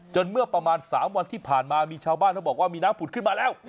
เมื่อประมาณ๓วันที่ผ่านมามีชาวบ้านเขาบอกว่ามีน้ำผุดขึ้นมาแล้ว